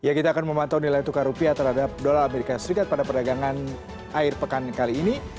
ya kita akan memantau nilai tukar rupiah terhadap dolar amerika serikat pada perdagangan air pekan kali ini